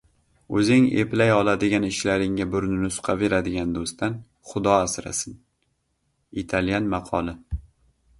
O‘zing eplay oladigan ishlaringga burnini suqaveradigan do‘stdan xudo asrasin. Italyan maqoli